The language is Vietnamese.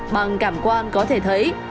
bằng cảm quan có thể thấy